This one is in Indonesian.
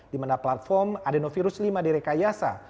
dimana platform adenovirus lima di rekayasa